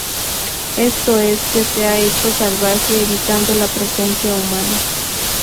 Esto es, que se ha hecho salvaje evitando la presencia humana.